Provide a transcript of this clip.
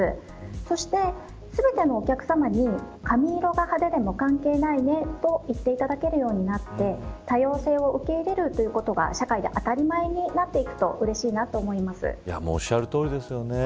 そして、全てのお客さまに髪色が派手でも関係ないねと言っていただけるようになって多様性を受け入れるということが社会で当たり前になっていくとおっしゃるとおりですよね。